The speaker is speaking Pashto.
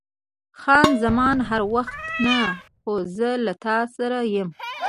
خان زمان: هر وخت نه، خو زه له تا سره یم.